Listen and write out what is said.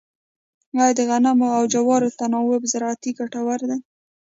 آیا د غنمو او جوارو تناوب زراعتي ګټور دی؟